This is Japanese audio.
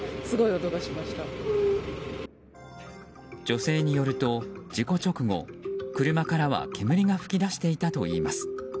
女性によると事故直後、車からは煙が噴き出していたといいます。